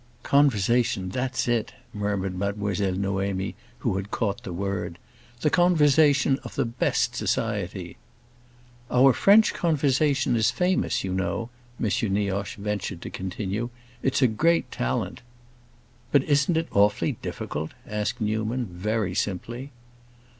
"Conversation—that's it!" murmured Mademoiselle Noémie, who had caught the word. "The conversation of the best society." "Our French conversation is famous, you know," M. Nioche ventured to continue. "It's a great talent." "But isn't it awfully difficult?" asked Newman, very simply.